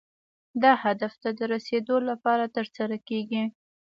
دا هدف ته د رسیدو لپاره ترسره کیږي.